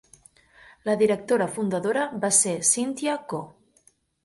La directora fundadora va ser Cynthia Goh.